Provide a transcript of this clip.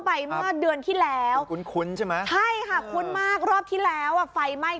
ไปมาด้วยที่แล้วคุ้นใช่ไหมใช่ขอบคุณมากรอบที่แล้วว่าไฟไหม้